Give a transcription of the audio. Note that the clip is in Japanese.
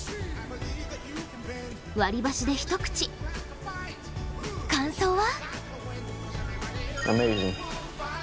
割り箸で一口、感想は？